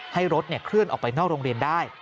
ให้รถเคลื่อนออกไปนอกโรงเรียนได้